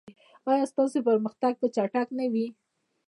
ایا ستاسو پرمختګ به چټک نه وي؟